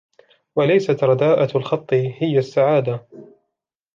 وَلَيْسَتْ رَدَاءَةُ الْخَطِّ هِيَ السَّعَادَةَ